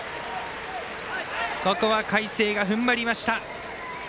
ここは海星がふんばりました。